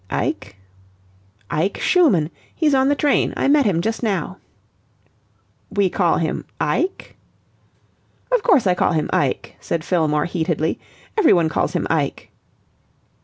"Ike?" "Ike Schumann. He's on the train. I met him just now." "We call him Ike!" "Of course I call him Ike," said Fillmore heatedly. "Everyone calls him Ike."